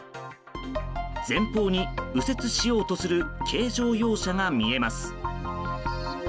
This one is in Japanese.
前方に右折しようとする軽乗用車が見えます。